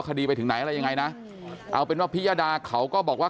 คดีไปถึงไหนอะไรยังไงนะเอาเป็นว่าพิยดาเขาก็บอกว่า